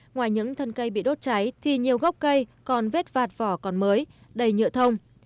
ngoài những thân cây bị đốt cháy thì nhiều gốc cây còn vết vạt vỏ còn mới đầy nhựa thông